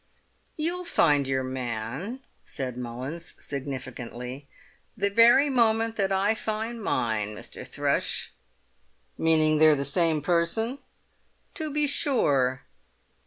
"You'll find your man," said Mullins significantly, "the very moment that I find mine, Mr. Thrush." "Meaning they're the same person?" "To be sure."